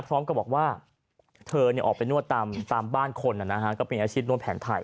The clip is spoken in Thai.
พร้อมกับบอกว่าเธอเนี่ยออกไปนวดตามตามบ้านคนนะฮะ